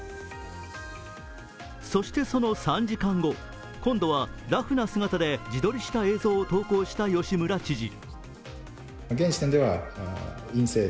そしてその３時間後、今度はラフな姿で自撮りした映像を投稿した吉村知事。